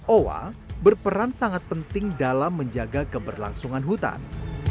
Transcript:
owa berperan sangat penting dalam menjaga keberlangsungan hutan